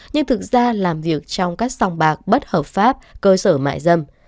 nhưng thực ra làm việc trong các sòng bạc bất hợp pháp cơ sở mại dâm